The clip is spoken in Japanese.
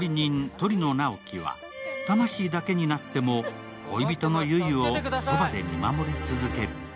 鳥野直木は魂だけになっても恋人の悠依をそばで見守り続ける。